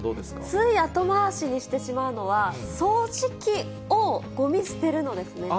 つい後回しにしてしまうのは、掃除機をごみ捨てるのですね。